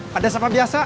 pedas apa biasa